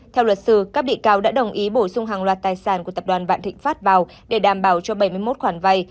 theo luật sư các bị cáo đã đồng ý bổ sung hàng loạt tài sản của tập đoàn vạn thịnh pháp vào để đảm bảo cho bảy mươi một khoản vay